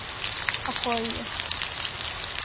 А који је?